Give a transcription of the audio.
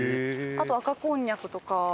あと赤こんにゃくとか。